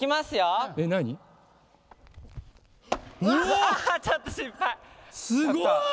すごい！